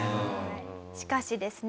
しかしですね